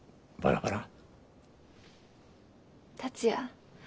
達也